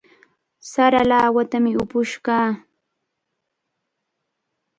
Sara lawatami upush kaa.